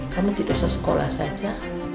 kamu tidak usah sekolah saja